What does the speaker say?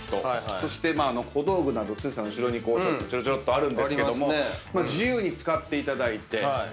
そして小道具など剛さんの後ろにちょろちょろっとあるんですけども自由に使っていただいて。